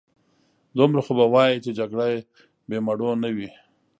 دومره خو به وايې چې جګړه بې مړو نه وي.